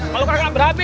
kalau keringan berhapi